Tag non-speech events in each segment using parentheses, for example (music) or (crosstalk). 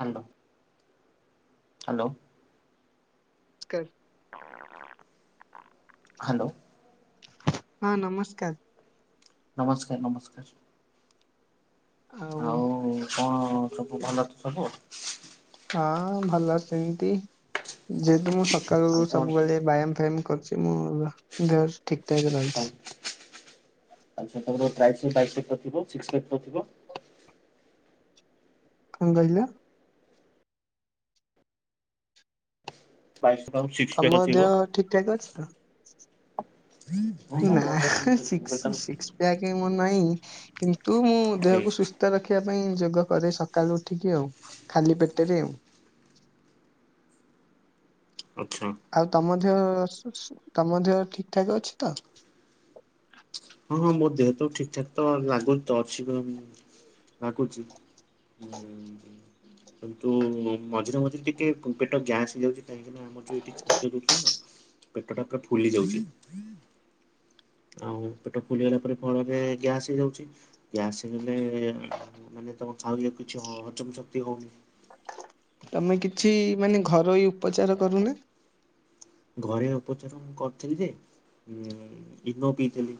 Hello hello. (unintelligible) Hello. ହଁ ନମସ୍କାର। ନମସ୍କାର ନମସ୍କାର। ଆଉ କଣ ସବୁ ଭଲ ତ ସବୁ? ହଁ ଭଲ ସେମତି ଯେହେତୁ ମୁଁ ସକାଳୁ ଆଉ କଣ ସବୁବେଳେ ବ୍ୟାୟାମ ଫ୍ୟାୟାମ କରୁଚି ମୁଁ ଦେହ ଠିକ ଠାକ ରହିଛି। ଆଚ୍ଛା ତମର (unintelligible) ତ ଥିବ ସିକ୍ସ ପ୍ୟକ୍ ତ ଥିବ। କଣ କହିଲ? ପାଇସୁ ତମ ଦେହ ଠିକଠାକ ଅଛି ତ। ନା ହାଁ ସିକ୍ସ ସିକ୍ସ ପ୍ୟାକ ଏ ମୋର ନାହିଁ। କିନ୍ତୁ ମୁଁ ଦେହକୁ ସୁସ୍ଥ ରଖିବା ପାଇଁ ଯୋଗ କରେ ସକାଳୁ ଉଠିକି ଆଉ, ଖାଲି ପେଟରେ ଆଉ। (unintelligible) ଆଚ୍ଛା। ଆଉ ତମ ଦେହ ସ-ସ ତମ ଦେହ ଠିକ ଠାକ ଅଛି ତ? ହଁ ହଁ ମୋ ଦେହ ତ ଠିକ ଠାକ ତ ଲାଗୁ ତ ଅଛି ଲାଗୁଚି। ହୁଁ ହ କିନ୍ତୁ ମଝିରେ ମଝିରେ ଟିକେ ପେଟ ଗ୍ୟାସ୍ ହେଇଯାଉଛି କାହିଁକିନା ଆମର ଯୋଉ ଏଠିକି ଶାନ୍ତି ଦଉଥିଲା ନା ପେଟଟା ପୁରା ଫୁଲି ଯାଉଛି ଆଉ ପେଟ ଫୁଲିଗଲା ପରେ ଫଳରେ ଗ୍ୟାସ୍ ହେଇଯାଉଛି ଗ୍ୟାସ ହେଇଗଲେ ମାନେ ତମ ଖାଉ ଏଇକୁ ହଁ ହଜମ ଶକ୍ତି ହୋଉନି ତମେ କିଛି ମାନେ ଘରୋଇ ଉପଚାର କରୁନ ଘରେ ଅପଚାର ମୁଁ କରିଥିଲି ଯେ ଇନୋ ପିଇଥିଲି।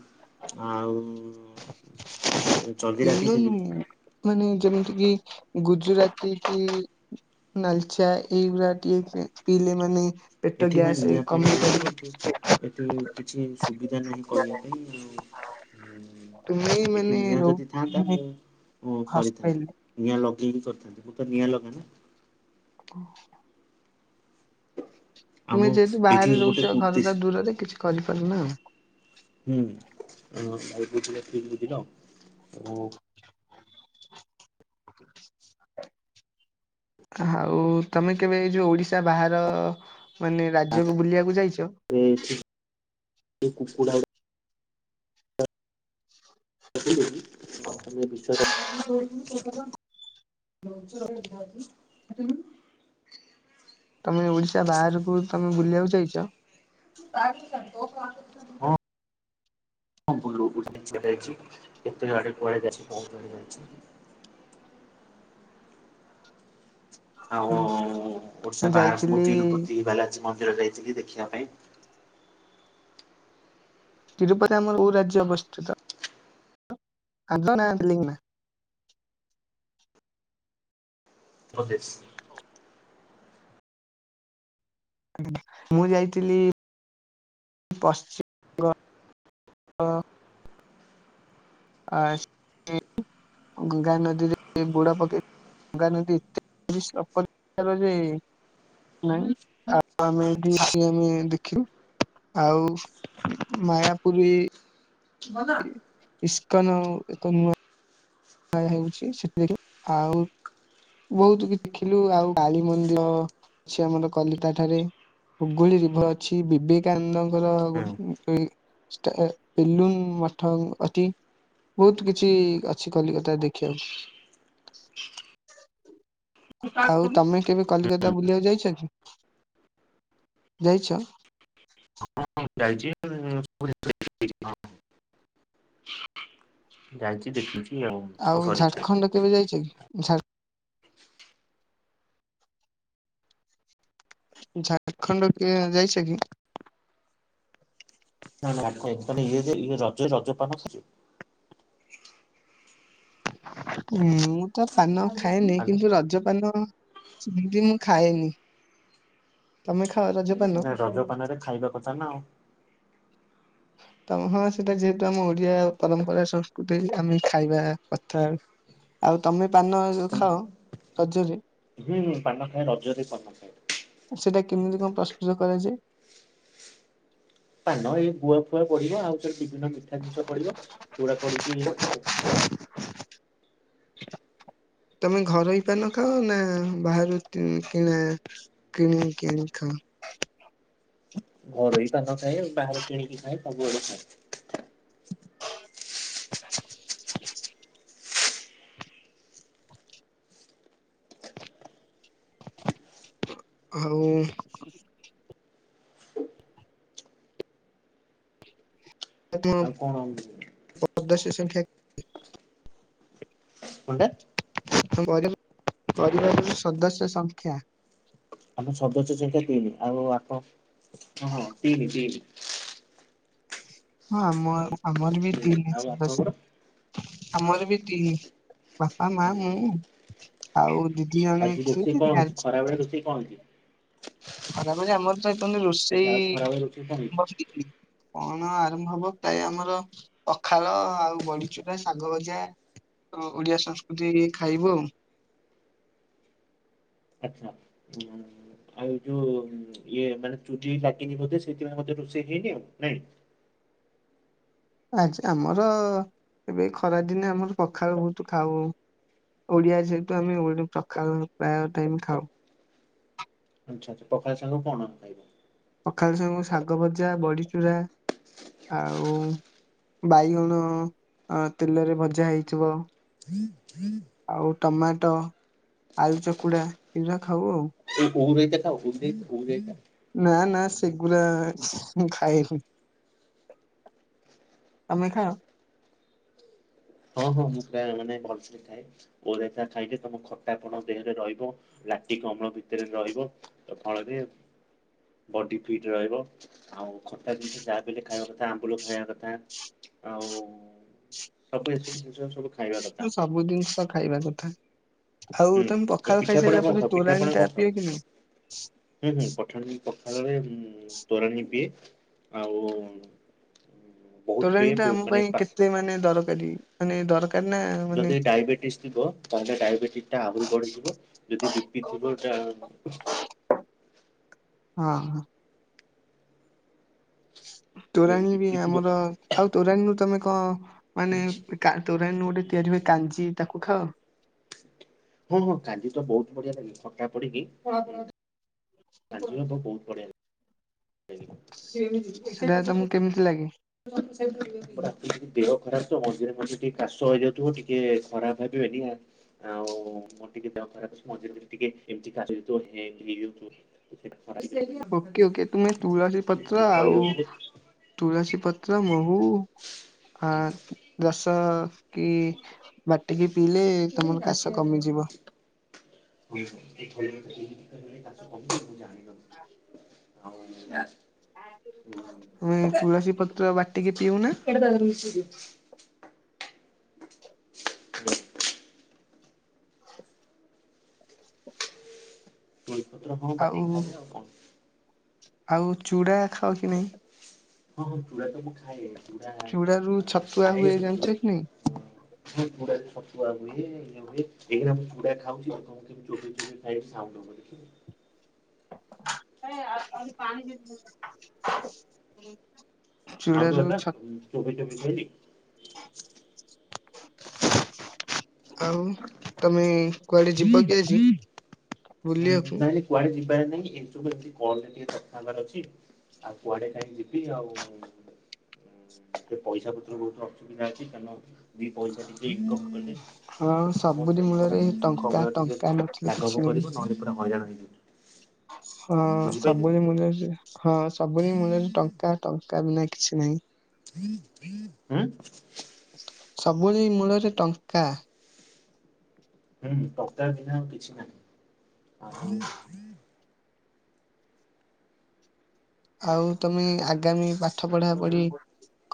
ଆଉ ଏ ଜଲଜିରା ପିଇଥିଲି। ଇଭେନ୍ ମାନେ ଯେମିତି କି ଗୁଜୁରାତି କି ନାଲି ଚା ଏଇଗୁଡା ଟିକେ ପି ପିଲେ ମାନେ ପେଟ ଏଠି ବା ଗ୍ୟାସ ନିଆଁ ପାଣି କମେଇ ନାହିଁ ପାରିବ ଏଠି ଏଠି କିଛି ସୁବିଧା ନାହିଁ କରିବା ପାଇଁ ତୁମେ ଆଉ ଏଠି ମାନେ ନିଆଁ ରହୁ ଯଦି ଥାଆନ୍ତା ମୁଁ କରିଥାନ୍ତି ହଷ୍ଟେଲରେ ନିଆଁ ଲଗା କରିଥାନ୍ତି ମୁଁ ତ ନିଆଁ ଲଗା ନା ହୁଁ ଆମଁ ଯେହେତୁ ଏଠି ବାହାରେ ରହୁଛ ଗୋଟେ କଠତିସ ଘରଟା ଦୂରରେ କିଛି କରିପାରୁନ ହୁଁ (unintelligible) ଅ ଆଉ ତମେ କେବେ ଏଇ ଯୋଉ ଓଡିଶା ବାହାର ମାନେ ତାପରେ ରାଜ୍ୟକୁ ବୁଲିବାକୁ ଯାଇଛ (unintelligible) (unintelligible) ହଁ ତମେ ଓଡିଶା ବାହାରକୁ ତମେ ବୁଲିବାକୁ ଜାଇଚ? (unintelligible) ହଁ (unintelligible) ଯାଇଛି କେତେ ଆଡେ କୁଆଡେ (unintelligible) ପହଞ୍ଚରେ ଯାଇଛି (inaudible) ଆଉ ମୁଁ ଓଡିଶା ବାହାର ସବୁ ଯାଇଥିଲି ତିରୁପତି ବାଲାଚି ମନ୍ଦିର ଯାଇଥିଲି ଦେଖିବା ପାଇଁ। ତିରୁପତି ଆମର କୋଉ ରାଜ୍ୟ ଅବସ୍ଥିତ? ଆଦ ନା ଲିଙ୍ଗ ନା ଓକେ ଆଜ୍ଞା ମୁଁ ଯାଇଥିଲି ପଶ୍ଚି ହଁ ଆ (inaudible) ଗଙ୍ଗା ନଦୀରେ ବୁଡ଼ ପକେଇ ଗଙ୍ଗାନଦୀ ଏତେ (unintelligible) ଯେ ନାଇଁ ଆଉ ଆମେ ବି ଆମେ ଦେଖିବାୁ ଆଉ ମାୟା ପୁରୀ ଗଲ। ଇସ୍କନ ଏକ ନୂଆ (unintelligible) ହେଉଛି (unintelligible) ଆଉ। ବହୁତ କିଛି ଦେଖିଲୁ। ଆଉ କାଳୀ ମନ୍ଦିର ସେ ଆମର କଲତା ଠାରେ। ହୁଗୁଳି ରିଭର ଅଛି ବିବେକାନନ୍ଦଙ୍କର ଗୋଟେ ଇ ଷ୍ଟା ବଲୁନ ମଠ ଅଛି ବହୁତ କିଛି ଅଛି। କଲିକତା ରେ ଦେଖିବାକୁ। ଆଉ ତମେ କେବେ କଲିକତା ବୁଲିବାକୁ ଯାଇଛ କି ଯାଇଛ। ହଁ ଯାଇଚି (unintelligible) ଯାଇଛି ଦେଖିଛି। ହଉ ଆଉ ସରିଛି ଝାଡଖଣ୍ଡ କେବେ ଯାଇଛ କି, ଝା ଝାରଖଣ୍ଡ କେ ଯାଇଛ କି? ନା ନା (unintelligible) ଇଏ ଯିଏ ଇଏ ରଜରେ ରଜ ପାନ ଖା। (unintelligible) ମୁଁ ତ ପାନ ଖାଏନି କିନ୍ତୁ ରଜ ପାନ। ସେମିତି ମୁଁ ଖାଏନି ତମେ ଖା ନା ରଜପାନରେ ଖାଇବା କଥା ନା ଆଉ। ହଁ (inaudible) ତମ ହଁ ସେଇଟା ଯେହେତୁ ଆମ ଓଡିଆ ପରମ୍ପରା ସଂସ୍କୃତି ଆମେ ଖାଇବା କଥା। ଆଉ ତମେ ପାନ ଖାଅ ରଜରେ। ହୁଁ ହୁଁ ପାନ ଖାଏ ରଜରେ ପାନ ଖାଏ। ସେଟା କେମିତି କଣ ପ୍ରସ୍ତୁତ କରାଯାଏ। ପାନ ଏଇ ଗୁଆ ଫୁଆ ପଡିବ ଆଉ ଥ ବିଭିନ୍ନ ମିଠା ଜିନିଷ ପଡିବ ସେଇଗୁଡା ପଡ଼ିକି ତମେ ଘରୋଇ ପାନ ଖାଅ ନା ବାହାରୁ କି କିଣା କିଣି କିଣିକି ଖାଅ। ଘରୋଇ ପାନ ଖାଏ ବାହାରୁ କିଣିକି ଖାଏ ସବୁଆଡେ ଖାଏ। (inaudible) ଆଉ। ତମ ଆଉ କଣ। (unintelligible) ସଦସ୍ୟ ସଂଖ୍ୟା। କଣ୍ ଟା। ପରି ବା ପରିବାରର ସଦସ୍ୟ ସଂଖ୍ୟା। ଆମର ସଦସ୍ୟ ସଂଖ୍ୟା ତିନି ଆଉ ଆପଣ ହଁ ହଁ ତିନି ତିନି। ହଁ ଆମ ଆମର ବି ତିନି ଆଉ ସଦସ୍ୟ। ଆପଣଙ୍କର ଆମର ବି ତିନି ବାପା ମା ମୁଁ ଆଉ ଦିଦି ଜଣେ ଆଜି ରୋଷେଇ ଥିଲେ କଣ ହେଇଛି ମ୍ୟାରେଜ ଖରାବେଳେ କରିଛନ୍ତି ରୋଷେଇ କଣ ହେଇଛି? ଖରାବେଳେ ଆମର ଏପର୍ଯ୍ୟନ୍ତ ଆଚ୍ଛା ରୋଷେଇ ଆଉ ଖରାବେଳେ ରୋଷେଇ କଣ (inaudible) ହେଇଛି ବସିଚି କଣ ଆ ଆରମ୍ଭ ହବ ପ୍ରାୟ ଆମର ପଖାଳ ଆଉ ବଢିଚୁରା ଶାଗ ଭଜା। ତ ଓଡିଆ ସଂସ୍କୃତି ଖାଇବୁ ଆଉ। (inaudible) ଆଚ୍ଛା। (unintelligible) ଆଉ ଯୋଉ ଉଁ ଇଏ ମାନେ ଚୁଲି ଲାଗିନି ବୋଧେ ସେଇଥିପାଇଁ ବୋଧେ ରୋଷେଇ ହେଇନି ଆଉ ନାଇଁ। (inaudible) ଆଜି ଆମର ଏବେ ଖରାଦିନେ ଆମର ପଖାଳ ବହୁତୁ ଖାଉ। ଓଡିଆ ଯେହେତୁ ଆମେ ଓଡ ପଖାଳ ପ୍ରାୟ ଟାଇମ ଖାଉ। ଆଚ୍ଛା ଆଚ୍ଛା ପଖାଳ ସାଙ୍ଗକୁ କଣ ଖାଇବ? ପଖାଳ ସାଙ୍ଗକୁ ଶାଗ ଭଜା ବଢିଚୂୁରା। ଆଉ ବାଇଗଣ ଅ ତେଲରେ ଭଜା ହେଇଥିବ। ଆଉ (inaudible) ଟମାଟୋ ଆଳୁ ଚକୁଡ଼ା ଏଗୁଡ଼ା ଖାଉ ଆଉ। ଏଇ ଓଉ ରାଇତା ଟା ଓଡେଇ ଓଉ ରାଇତା। ନା ନା ସେଗୁରା ମୁଁ ଖାଏନି। ତମେ ଖାଅ। ହଁ ହଁ ମୁଁ ପ୍ରାୟ ମାନେ ଭଲ ସେ ଖା ଏ ଓଉ ରାଇତା ଖାଇଲେ ତମ ଖଟାପଣ ଦେହରେ ରହିବ। ଲାକଟିକ ଅମ୍ଳ ଭିତରେ ରହିବ ଫଳରେ। ବଡି ଫିଟ ରହିବ ଆଉ ଖଟା ଜିନିଷ ଯାହା ବି ହେଲେ ଖାଇବା କଥା ଆମ୍ବୁଲ ଖାଇବା କଥା। ଆଉ ସବୁ ଏସବୁ ଜିନିଷ ଯାକ ସବୁ ଖାଇବା କଥା ହୁଁ ସବୁ ଜିନିଷ ଖାଇବା କଥା। ଆଉ ହୁଁ ତମେ ଆଉ ପଖାଳ ପିଠାପଣା ଖାଇସାରିଲା କଣ ପରେ ଖାଅ ତୋରାଣି ପିଠାପଣା ଟା କଣ ଖାଅ? ପିଅ କି ନାଇ? ହୁଁ ହୁଁ ପଠାଣି ପଖାଳ ରେ ମୁଁ। ତୋରାଣୀ ପିଏ ଆଉ। ବହୁତ ପିଏ ତୋରାଣି ଟା ଆମ ମାନେ ପାଇଁ ପାସ୍ କେତେ ମାନେ ଦରକାରୀ ମାନେ ଦରକା ଯଦି ଡାଇବେଟିସ୍ ଥିବ ତାହେଲେ ଡାଇବେଟିସ ଟା ଆହୁରି ବଢିଯିବ ଯଦି ବି ପି ଥିବ ତା ହଁ ହଁ ହ। ଯଦି ତୋରାଣୀ ବି ବିପି ଥିବ ଆମର ଆଉ ତୋରାଣୀରୁୁ ତମେ କଣ ମାନେ କା ତୋ ତୋରାଣି ଗୋଟେ ତିଆରି ହୁଏ କାଞ୍ଜି ତାକୁ ଖାଅ? ହଁ ହଁ କାଞ୍ଚି ତ ବହୁତ ବଢିଆ ଲାଗେ ଖଟା ପଡିକି କାଞ୍ଚି ପାଗ ବହୁତ ବଢିଆ ସେଟା ଲାଗେ ତମକୁ କେମିତି ଲାଗେ? ରାତି ରେ ଟିକେ ଦେହ ଖରାପ ତ ମଝିରେ ମଝିରେ ଟିକେ କାଶ ହେଇଯାଉଥିବ ଟିକେ ଖରାପ ଭାବିବେ ଆଉ ମୋର ଟିକେ ଦେହ ଖରାପ ଅଛି ମଝି ରେ ଟିକେ ଏମତି କାସ ହେଇଯାଉଥିବ (unintelligible) ଓକେ ଓକେ ତୁମେ ତୁଳସୀ ପତ୍ର ଆଉ ତୁ ତୁଳସୀ ପତ୍ର ମହୁ ଆ କହିଯାଉଥିବେ। ଜଷ୍ଟ ଦା କି ବାଟିକି ପିଇଲେ ତମର କାଶ କମିଯିବ। ଏଇଟା ତମେ ତୁଳସୀ ପତ୍ର ବାଟିକି ପିଉନା? ତା ଦେହରେ ମିଶିଯିବ। ତୁଳସୀ ପତ୍ର ହଁ ଆଉ ବାଟିକି ଖାଇବି ଆଉ କଣ। ଆଉ ଚୁଡା ଖାଓ କି ନାହିଁ? ହଁ ହଁ ଚୁଡ଼ା ତ ମୁଁ ଖାଏ ଚୁଡ଼ା ଆ ଚୁଡା ରୁ ଆ ମଁ ଛତୁଆ ଖାଏ ହୁଏ ଜାଣିଛ (unintelligible) କି ନାଇଁ? ହଁ ଚୁଡ଼ା ରେ ଛତୁଆ ହୁଏ ଇଏ ହୁଏ ଏଇନେ ମୁଁ ଚୁଡା ଖାଉଛି ଦେଖନ୍ତୁ ଚୋବେଇ ଚୋବେଇ ଖାଏ ସାଉଣ୍ଡ ହବ ଦେଖିବ ଆରେ ପାଣି ବି ଆଉ ତୁ (unintelligible) ଚୋବେଇ ଚୋବେଇ ଖାଇଲି ଆଉ ତମେ କୁଆଡେ ଯିବ କି ଆଜି? ହୁଁ ବୁଲିବାକୁ? ନାଇଁ କୁଆଡେ ଯିବାର ନାଇଁ ଏଇ ସବୁ ଏମତି କଲ ରେ ଟିକେ କଥା ହେବାର ଅଛି ଆଉ କୁଆଡେ କାହିଁ ଯିବି ଆଉ ସେ ପଇସା ପତ୍ର ବହୁତ ଅସୁବିଧା ଅଛି କାରଣ ଦି ପଇସା ଟିକେ ଇନକମ୍ କଲେ ହଁ ସବୁରି ମଣିଷ ଜୀବନ ମୂଳରେ ଟିକେ ଟଙ୍କା ସୁଖମୟ ଟିକେ ଟଙ୍କା ନଥିଲେ କିଛି ଲାଘବ ନାହିଁ। କରିବ ନହେଲେ ପୁରା ହଇରାଣ ହେଇ ହଁ ସବୁରି ମୁଳ ରେ ହଁ ସବୁରି ମୁଳ ରେ ଟଙ୍କା ଟଙ୍କା ନାଈ କିଛି ନାଇଁ ହୁଁ ସବୁରି ମୂଳରେ ଟଙ୍କା ହୁଁ ଟଙ୍କା ବିନା ଆଉ କିଛି ନାହିଁ ଆଉ ଆଉ ତମେ ଆଗାମୀ ପାଠ ପଢା ପଢି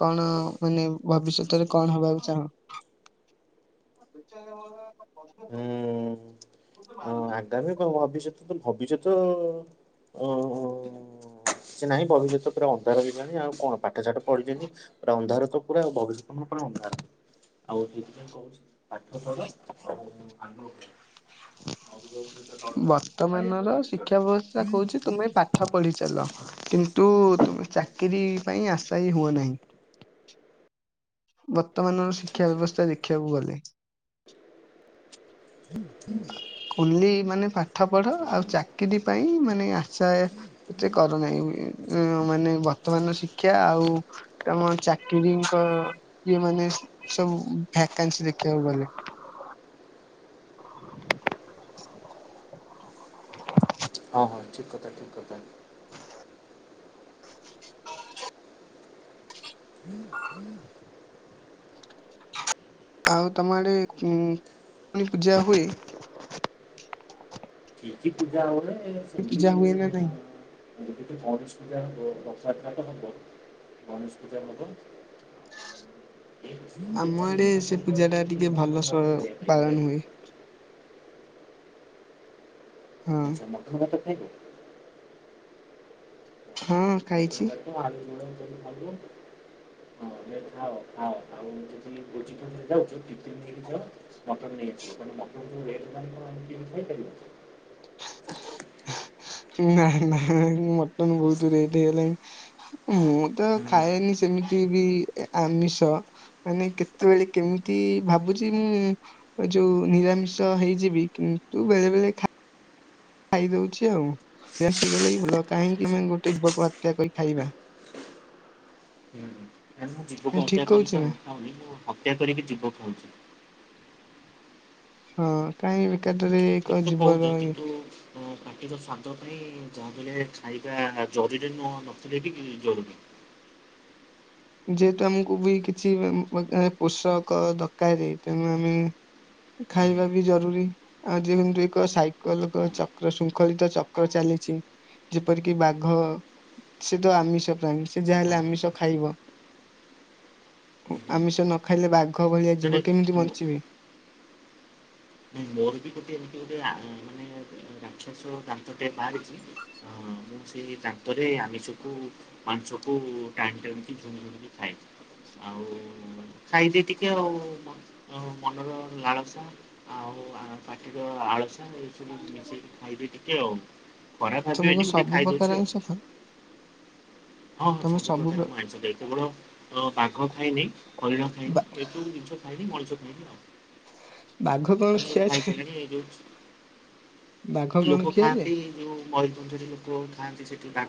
କଣ ମାନେ ଭବିଷ୍ୟତରେ କଣ ହବାକୁ ଚାହଁ? ଏଚାର ହୁଁ ହଁ ଆଗାମୀ କ ଭବିଷ୍ୟତ ଭବିଷ୍ୟତ ଅଁ-ଅଁ ସେ ନାହିଁ ଭବିଷ୍ୟତ ପୁରା ଅନ୍ଧାର ହେଇାଣି ଆଉ କଣ ପାଠ ସାଠ ପଢିଲେଣି ପୁରା ଅନ୍ଧାର ତ ପୁରା ଆଉ ଭବିଷ୍ୟତ ଅନ୍ଧାର ଆଉ ସେଇଥିପାଇଁ କହୁଛି ପାଠ ଆଉ (unintelligible) (unintelligible) କାଳିଆ ବର୍ତ୍ତମାନର ଘୋଡାରେ ଚଢ ଶିକ୍ଷା ବ୍ୟବସ୍ଥା କହୁଛି ତୁମେ ପାଠ ପଢିଚାଲ କିନ୍ତୁ ତମେ ଚାକିରି ପାଇଁ ଆଶାୟ ହୁଅ ନାହିଁ। ହ ବର୍ତ୍ତମାନର ଶିକ୍ଷା ଆଚ୍ଛା ବ୍ୟବସ୍ଥା ଦେଖିବାକୁ ଗଲେ ହୁଁ କୁଲି ମାନେ ପାଠ ପଢ ଆଉ ଚାକିରି ପାଇଁ ମାନେ ଆଶା ଏତେ କରନାହିଁ ବୋଲି ମାନେ ବର୍ତ୍ତମାନର ଶିକ୍ଷା ଆଉ ଆମ ଚାକିରିଙ୍କ ଇଏ ମାନେ ସବୁ ଭ୍ୟାକେନ୍ସି ଦେଖିବାକୁ ଗଲେ (inaudible) (inaudible) ହଁ ହଁ ଠିକ କଥା ଠିକ କଥା। (inaudible) ହୁଁ ହୁଁ। ଆଉ ତମଆଡେ ଉ ପୂଜା ହୁଏ। କି କି ପୂଜା ହଉନେ କିିଜା ହୁଏ ନା ନଁ? ଗଣେଶ ପୂଜା ହୁଏ ରଥ ଯାତ୍ରା ତ ହବ ଗଣେଷ ପୂଜା ହବ। ଆମ ଆଡେ ସେ ପୂଜା ଟା ଟିକେ ଭଲ ସ ପାଳନ ହୁଏ। (inaudible) (unintelligible) ହଁ ଆଛା ମଟନ ଭାତ ଖାଇବ? ହଁ ଖାଇଛି (unintelligible) ହଁ ଖାଅ ଖାଅ ଆଉ ଯଦି ଭୋଜି ଫୋଜି ରେ ଯାଉଚ ଟିଫିନ୍ ନାଇକି ଯାଅ ମଟନ (unintelligible) ନାଇ ନାଇଁ ମଟନ ବହୁତ ରେଟ ହେଇଗଲାଣି। ମୁଁ ତ ହୁଁ ଖାଏନି ସେମିତି ବି ଆମିଷ ମାନେ କେତେବେଳେ କେମିତି ଭାବୁଛି ମୁଁ ଯୋଉ ନିରାମିଷ ହେଇଯିବି କିନ୍ତୁ ବେଳେ ବେଳେ ଖା ଖାଇଦଉଛି ଆଉସଗଲେ ଭଲ କାହିଁକି ମାନେ ଗୋଟେ ଯୁବକ ବାତ୍ୟା କରି ଖାଇବା। ହୁଁ। ନା ମୁଁ ଯୀବକୁ ଠିକ ହତ୍ୟା କରି କହୁଛି ତ ନା? ନଥାଉନି ମୁଁ ହତ୍ୟା କରିକି ଜୀବ ଖାଉଛି। ହଁ କ ଠିକ ତ କହୁଛ କିନ୍ତୁ ପାଟିର ସଵାଦ ପାଇଁ ଯାହାହେଲେ ଆା ଜରୁରୀ ନହ ନଥିଲେ ବି ଜରୁରୀ। ଯେହେତୁ ଆମକୁ ବି କିଛି ପୋଷକ ଦରକାର ତେଣୁ ଆମେ ହୁଁ, ଖାଇବା ବି ଜରୁରୀ ଆଉ ଯେହୁ ଏକ ସାଇକେଲ ହଁ ଚକ୍ର ଶୃଙ୍ଖଳିତ ଚକ୍ର ଚାଲି ଯେପରିକି ବାଘ ସେ ତ ଆମିଷ ପ୍ରାଣୀ ସେ ଯାହା ହେଲେ ଆମିଷ ଖାଇବ। ମାନେ ଆମିଷ ନ ଖାଇଲେ ବାଘ ଦୁଖ ଭଳିଆ ଯିବ କେମିତି ମୋ ବଞ୍ଚିବ। ମୋର ବି ଗୋଟେ ଏମିତି ଗୋଟେ ମାନେ ରାକ୍ଷସ ଦାନ୍ତ ଟେ ବାହାରିଛି ହଁ ମୁଁ ସେଇ ତାନ୍ତରେ ଆମିଷକୁ ମାଂସକୁ ଟାଣି ଟାଣିକି ଝୁମଝୁିକି ଖାଏ। ଆଉ ଖାଇଦି ଟିକେ ଆଉ ମନର ଲାଳସା (inaudible) ପାର ଆଳସା ଏସବୁ ମିଶେଇକି ଖାଇବି ଟିକେ ଆଉ। ଖରା ତମକୁ ଖାବିବେନ ମୁ ଟିକେ ସବୁ ପ୍ରକାର ଖାଇଦଉଛିୁ ଆମିଷ ଖାଅ ଆଉ। ହଁ ହଁ ତମେ ସବୁ ପ୍ରକାର ପ୍ର- ମୁଁ ଆଇଁଷ ଖାଏ କେବଳ ଅ ବାଘ ଖାଇନି ହରିଣ ବା ଖାଇନି ଏଠୁ ଖାଇନି ମଣିଷକୁ ବାଘ କଣ ଆଉସବୁ ଖିଆଯାଏ ଖାଇସାରିଲେଣି ଏଯଉ ବାଘ କଣ ଲୋକ ଖିଆଯାଏ? ଥାଆନ୍ତି ଯୋଉ ମୟରଭଞ୍ଜରେ ଲୋକ ଥାଆନ୍ତି ସେଠି ବାଘ